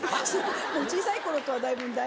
小さい頃とはだいぶ。